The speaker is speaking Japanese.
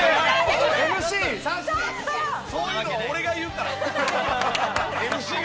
そういうのは俺が言うから。